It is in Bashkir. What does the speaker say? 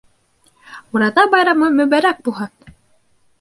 Ураҙа байрамы мөбәрәк булһын!